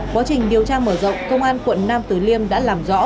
quá trình điều tra mở rộng công an quận nam tử liêm đã làm rõ